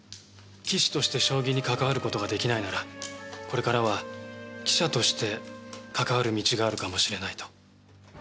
棋士として将棋に関わる事が出来ないならこれからは記者として関わる道があるかもしれないと。